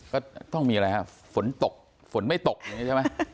ก็ต้องมีอะไรฮะฝนตกฝนไม่ตกอย่างนี้ใช่ไหม